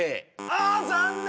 あ残念！